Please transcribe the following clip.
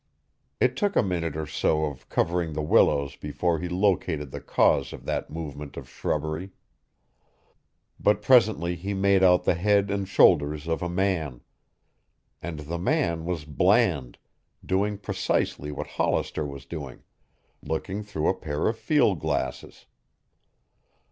It took a minute or so of covering the willows before he located the cause of that movement of shrubbery. But presently he made out the head and shoulders of a man. And the man was Bland, doing precisely what Hollister was doing, looking through a pair of field glasses.